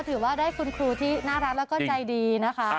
ถือว่าได้คุณครูที่น่ารักแล้วก็ใจดีนะคะ